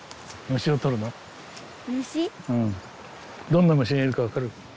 どんな虫がいるか分かる？